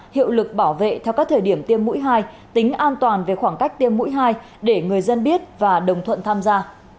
hiệu lực bảo vệ theo các thời điểm tiêm mũi hai tính an toàn về khoảng cách tiêm mũi hai để người dân biết và đồng thuận tham gia